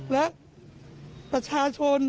และประชาชน